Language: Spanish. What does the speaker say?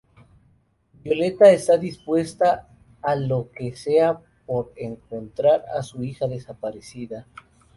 Violeta está dispuesta a lo que sea por encontrar a su hija desaparecida.